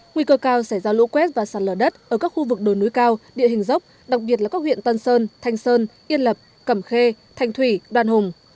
nguy cơ cao sẽ ra lũ quét và sạt lở đất ở các khu vực đồi núi cao địa hình dốc đặc biệt là các huyện tân sơn thanh sơn yên lập cẩm khê thanh thủy đoàn hùng